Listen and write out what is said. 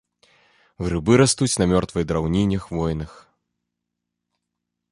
Грыбы растуць на мёртвай драўніне хвойных.